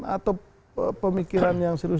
atau pemikiran yang serius